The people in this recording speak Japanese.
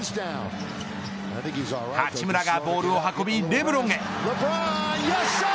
八村がボールを運びレブロンへ。